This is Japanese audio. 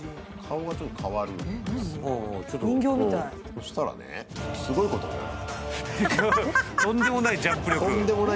そしたらね、すごいことになる。